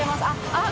あっ